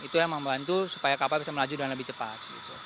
itu yang membantu supaya kapal bisa melaju dengan lebih cepat